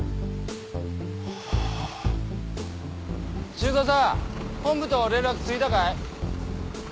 修三さん本部と連絡ついたかい？